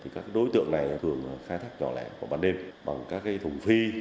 các đối tượng này thường khai thác nhỏ lẻ vào ban đêm bằng các thùng phi